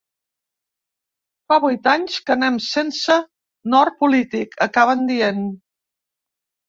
Fa vuit anys que anem sense nord polític, acaben dient.